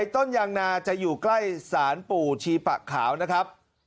ต้นยางนาจะอยู่ใกล้สารปู่ชีปะขาวนะครับ